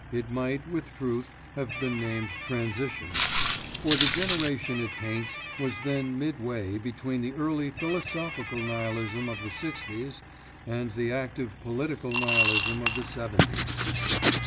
It might with truth have been named Transition, for the generation it paints was then midway between the early philosophical Nihilism of the sixties and the active political Nihilism of the seventies.